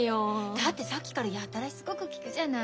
だってさっきからやたらしつこく聞くじゃない。